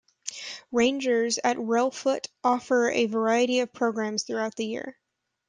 Rangers at Reelfoot offer a variety of programs throughout the year.